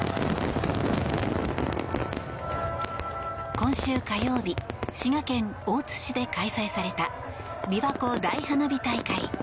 今週火曜日、滋賀県大津市で開催されたびわ湖大花火大会。